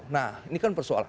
nah ini kan persoalan